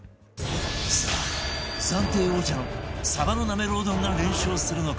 さあ暫定王者のさばのなめろう丼が連勝するのか？